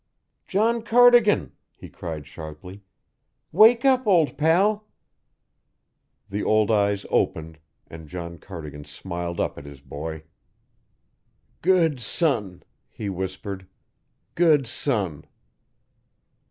"John Cardigan!" he cried sharply. "Wake up, old pal." The old eyes opened, and John Cardigan smiled up at his boy. "Good son," he whispered, "good son!"